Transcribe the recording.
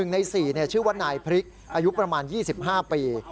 ใน๔ชื่อว่านายพริกอายุประมาณ๒๕ปี